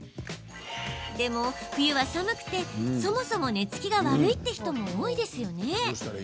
でも、冬は寒くてそもそも寝つきが悪いって人も多いですよね。